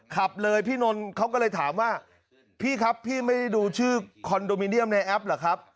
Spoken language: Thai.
ขับเลยพี่นนท์เขาก็เลยถามว่าพี่ครับพี่ไม่ได้ดูชื่อคอนโดมิเนียมในแอปเหรอครับ